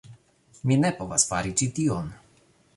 Mi ne povas fari ĉi tion!